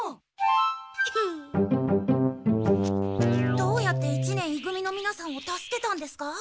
どうやって一年い組のみなさんを助けたんですか？